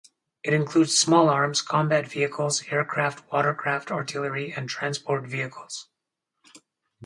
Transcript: It includes small arms, combat vehicles, aircraft, watercraft, artillery and transport vehicles.